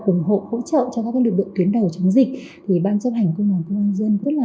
ủng hộ hỗ trợ cho các lực lượng tuyến đầu chống dịch thì ban chấp hành công an nhân dân rất là